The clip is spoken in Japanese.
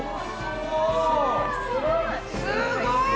すごい！